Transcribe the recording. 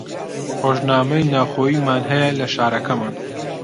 ڕۆژنامەیەکی ناوخۆییمان هەیە لە شارەکەمان